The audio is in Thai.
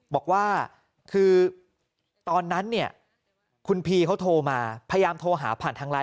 บอกว่าคือตอนนั้นเนี่ยคุณพีเขาโทรมาพยายามโทรหาผ่านทางไลน